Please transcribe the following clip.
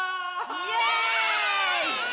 イエーイ！